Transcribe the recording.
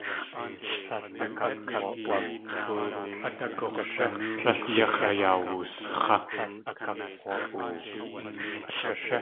Tlél yax̲ ayawusx̲á.